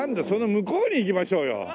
その向こうに行きましょうよ。